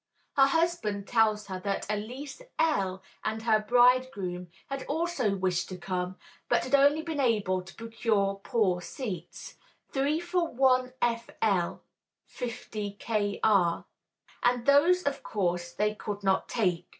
Her husband tells her that Elise L. and her bridegroom had also wished to come, but had only been able to procure poor seats, three for_ 1 Fl., 50 _Kr. and those of course they could not take.